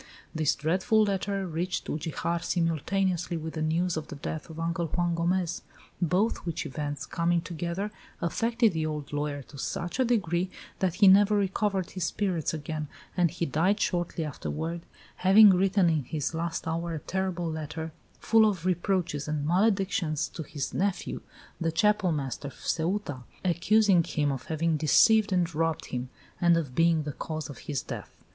This dreadful letter reached Ugijar simultaneously with the news of the death of Uncle Juan Gomez, both which events, coming together, affected the old lawyer to such a degree that he never recovered his spirits again, and he died shortly afterward, having written in his last hour a terrible letter, full of reproaches and maledictions, to his nephew, the Chapel master of Ceuta, accusing him of having deceived and robbed him, and of being the cause of his death.